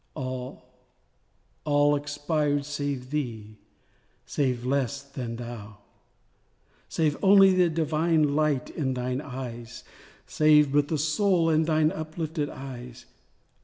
All—all expired save thee—save less than thou: Save only the divine light in thine eyes— Save but the soul in thine uplifted eyes.